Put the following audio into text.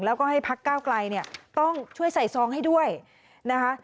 แล้วก็ให้พักก้าวไกลเนี่ยต้องช่วยใส่ซองให้ด้วยนะคะ